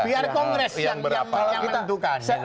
biar kongres yang menentukan